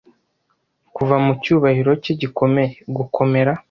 Kuva mu cyubahiro cye gikomeye? gukomera